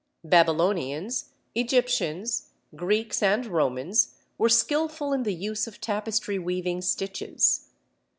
Babylonians, Egyptians, Greeks, and Romans were skilful in the use of tapestry weaving stitches.